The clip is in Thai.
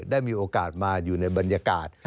ได้มีโอกาสมาอยู่ในบรรยากาศ